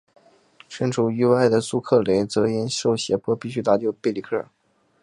身处狱外的苏克雷则因受胁迫而必须搭救贝里克。